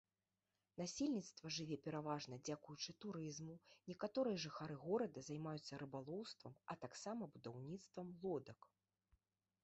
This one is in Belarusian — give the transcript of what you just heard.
Насельніцтва жыве пераважна дзякуючы турызму, некаторыя жыхары горада займаюцца рыбалоўствам, а таксама будаўніцтвам лодак.